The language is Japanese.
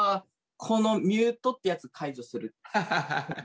この「ミュート」ってやつ解除する。